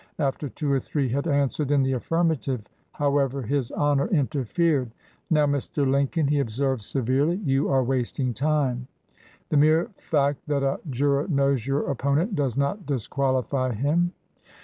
After two or three had answered in the affirmative, however, his Honor interfered. "Now, Mr. Lincoln," he observed severely, "you are wasting time. The mere fact that a juror knows your opponent does not disqualify him."